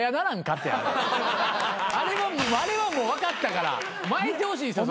あれはもう分かったから巻いてほしいんすよ。